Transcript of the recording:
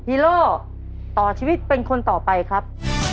ีโล่ต่อชีวิตเป็นคนต่อไปครับ